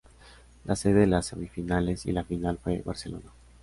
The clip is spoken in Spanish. La sede de las semifinales y la final fue Barcelona.